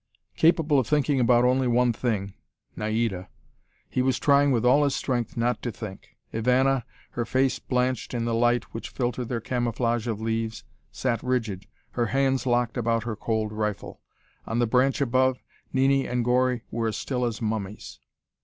Capable of thinking about only one thing Naida he was trying with all his strength not to think. Ivana, her face blanched in the light which filtered their camouflage of leaves, sat rigid, her hands locked about her cold rifle. On the branch above, Nini and Gori were as still as mummies.